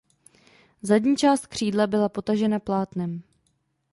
Zadní část křídla byla potažena plátnem.